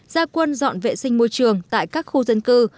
gia quân dọn vệ sinh môi trường tại các khu dân cư